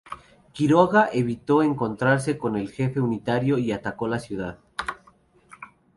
Quiroga evitó encontrarse con el jefe unitario y atacó la ciudad.